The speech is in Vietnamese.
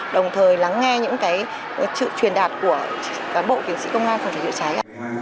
đồng thời lắng nghe những trực truyền đạp của cả bộ kiểm sĩ công an phòng cháy chữa cháy